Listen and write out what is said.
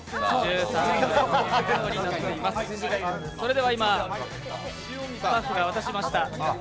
それでは今、スタッフが渡しました。